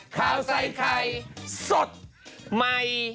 ข่าวใส่ไข่สดใหม่